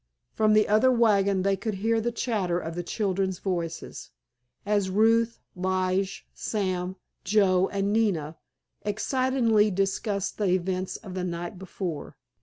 From the other wagon they could hear the chatter of the children's voices, as Ruth, Lige, Sam, Joe, and Nina excitedly discussed the events of the night before.